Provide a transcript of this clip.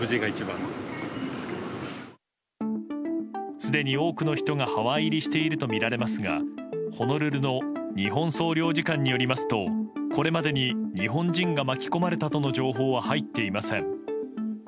すでに多くの人がハワイ入りしているとみられますがホノルルの日本領事館によりますとこれまでに日本人が巻き込まれたとの情報は入っていません。